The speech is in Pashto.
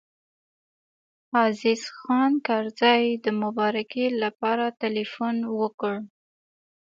عزیز خان کرزی د مبارکۍ لپاره تیلفون وکړ.